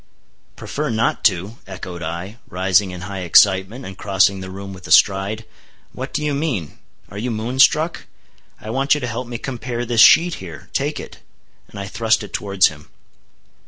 "Prefer not to," echoed I, rising in high excitement, and crossing the room with a stride. "What do you mean? Are you moon struck? I want you to help me compare this sheet here—take it," and I thrust it towards him.